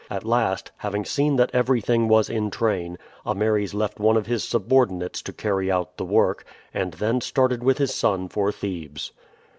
At last, having seen that everything was in train, Ameres left one of his subordinates to carry out the work, and then started with his son for Thebes.